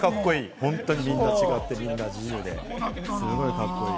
みんな違ってみんな自由で、すごいカッコいい！